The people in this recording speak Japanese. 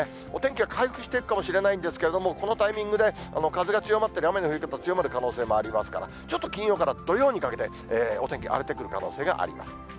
お天気は回復していくかもしれないんですけど、このタイミングで風が強まったり、雨の降り方、強まる可能性もありますから、ちょっと金曜から土曜にかけて、お天気、荒れてくる可能性があります。